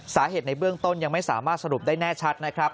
ในเบื้องต้นยังไม่สามารถสรุปได้แน่ชัดนะครับ